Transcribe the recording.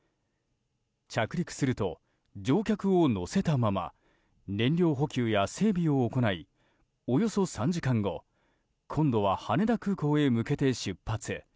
着陸すると、乗客を乗せたまま燃料補給や整備を行いおよそ３時間後今度は羽田空港へ向けて出発。